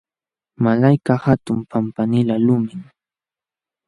Malaykaq hatun pampanilaq lumim.